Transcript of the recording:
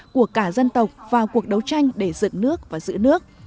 của cả dân tộc vào cuộc đấu tranh để dựng nước và giữ nước